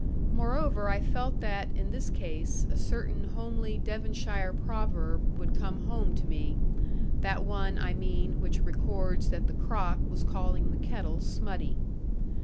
Moreover, I felt that, in this case, a certain homely Devonshire proverb would come home to me; that one, I mean, which records that the crock was calling the kettle smutty.